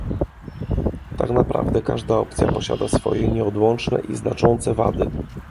Tak naprawdę każda opcja posiada swoje nieodłączne i znaczące wady